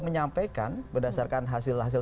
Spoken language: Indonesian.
menyampaikan berdasarkan hasil hasil